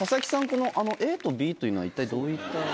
このＡとＢというのは一体どういった？